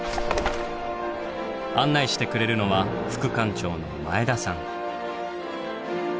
案内してくれるのは副館長の前田さん。